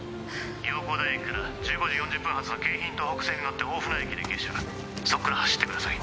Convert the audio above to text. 洋光台駅から１５時４０分発の京浜東北線に乗って大船駅で下車そこから走ってください